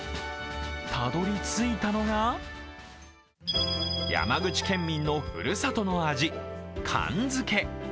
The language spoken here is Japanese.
たどり着いたのが、山口県民のふるさとの味、寒漬。